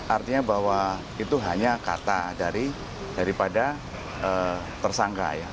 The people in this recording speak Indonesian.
artinya bahwa itu hanya kata daripada tersangka ya